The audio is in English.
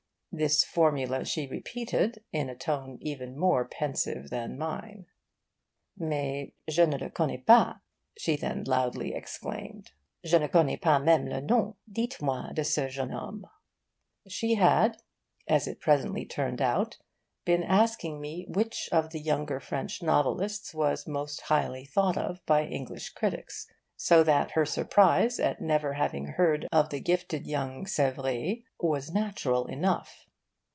This formula she repeated, in a tone even more pensive than mine. 'Mais je ne le connais pas,' she then loudly exclaimed. 'Je ne connais pas même le nom. Dites moi de ce jeune homme.' She had, as it presently turned out, been asking me which of the younger French novelists was most highly thought of by English critics; so that her surprise at never having heard of the gifted young Sevre' was natural enough.